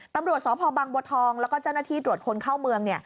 ตำรวจสพบังบัวทองแล้วก็เจ้าหน้าที่ตรวจคนเข้าเมือง